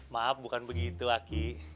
maaf bukan begitu aki